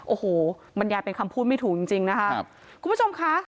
โอ้โหบรรยายเป็นคำพูดไม่ถูกจริงนะครับ